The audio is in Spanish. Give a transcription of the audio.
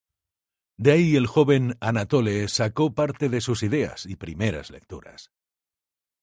De ahí, el joven Anatole sacó parte de sus ideas y primeras lecturas.